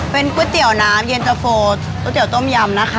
เป็นก๋วยเตี๋ยวน้ำเย็นตะโฟก๋วยเตี๋ยต้มยำนะคะ